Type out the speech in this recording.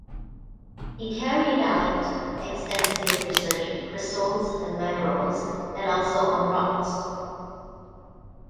He carried out extensive research on crystals and minerals, and also on rocks.